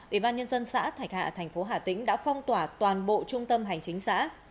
ủy ban nhân dân xã thạch hạ thành phố hà tĩnh đã phong tỏa toàn bộ trung tâm hành chính xã